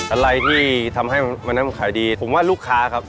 อะไรที่ทำให้วันนั้นมันขายดีผมว่าลูกค้าครับ